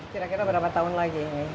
kira kira berapa tahun lagi ini